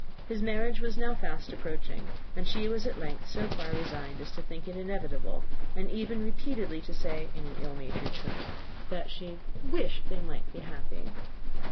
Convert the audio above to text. His marriage was now fast approaching; and she was at length so far resigned as to think it inevitable, and even repeatedly to say, in an ill natured tone, that she "wished they might be happy."